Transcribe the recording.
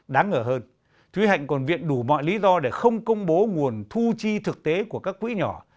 đáng ngờ hơn thúy hạnh còn viện đủ mọi lý do để không công bố nguồn thu chi thực tế của các quỹ nhỏ